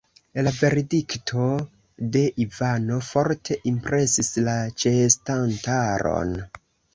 La verdikto de Ivano forte impresis la ĉeestantaron.